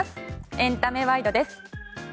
エンタメワイドです。